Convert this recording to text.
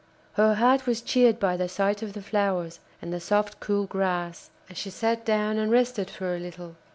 Her heart was cheered by the sight of the flowers and the soft cool grass, and she sat down and rested for a little.